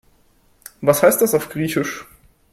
Was heißt das auf Griechisch?